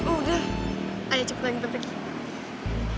udah ayo cepet lagi kita pergi